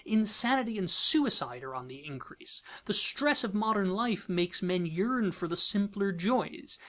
Insanity and suicide are on the increase. The stress of modern life makes men yearn for the simpler joys.